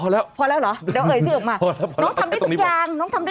เท่านั้นขออ้อถึงหมด